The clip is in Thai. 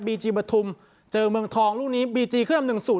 บีจีบทุมเจอเมืองทองลูกนี้บีจีเขื่อนำหนึ่งสูตร